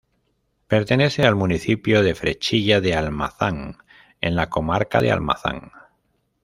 Pertenece al municipio de Frechilla de Almazán en la Comarca de Almazán.